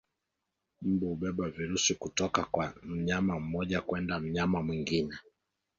Mbu hubeba virusi kutoka kwa mnyama mmoja kwenda mnyama mwingine